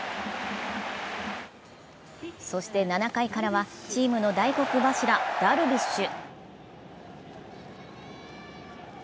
そして７回からはチームの大黒柱・ダルビッシュ。